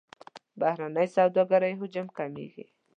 بهرنۍ سوداګرۍ حجم کمیږي.